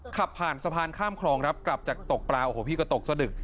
ขับผ่านสะพานข้ามคลองครับกลับจากตกปลาโอ้โหพี่ก็ตกสะดึก